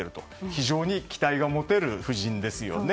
非常に期待が持てる布陣ですよね。